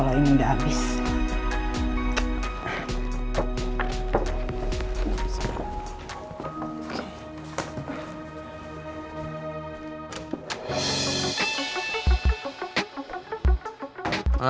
selamat mengalami papa